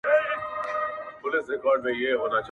چي مور ميره سي، پلار پلندر سي.